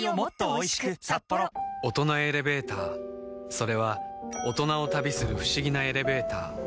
それは大人を旅する不思議なエレベーター